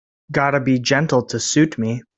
Gotta be gentle to suit me.